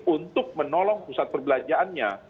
untuk menolong pusat perbelanjaannya